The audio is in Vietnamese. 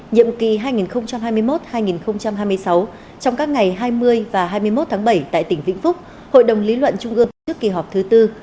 nhiệm kỳ hai nghìn hai mươi một hai nghìn hai mươi sáu trong các ngày hai mươi và hai mươi một tháng bảy tại tỉnh vĩnh phúc hội đồng lý luận trung ương trước kỳ họp thứ tư